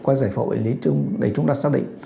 qua giải phóng bệnh lý để chúng ta xác định